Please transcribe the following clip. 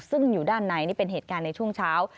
ซึ่งอยู่ด้านในนี่เป็นเหตุการณ์ในช่วงเช้า